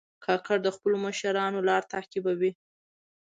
کاکړ د خپلو مشرانو لار تعقیبوي.